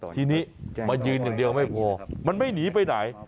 ทีนี้มายืนอย่างเดียวไม่พอมันไม่หนีไปไหน